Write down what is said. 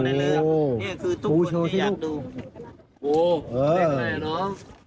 นี่คือทุกคนที่อยากดู